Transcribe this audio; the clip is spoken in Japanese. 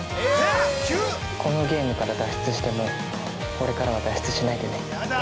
このゲームからは脱出しても、俺からは脱出しないでね。